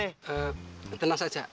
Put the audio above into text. eh tenang saja